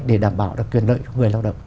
để đảm bảo được quyền lợi cho người lao động